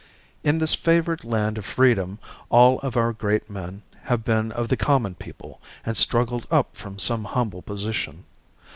In this favored land of freedom all of our great men have been of the common people and struggled up from some humble position.